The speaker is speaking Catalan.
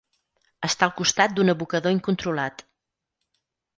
Està al costat d'un abocador incontrolat.